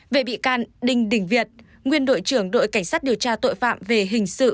về bị can đinh đình việt nguyên đội trưởng đội cảnh sát điều tra tội phạm về hình sự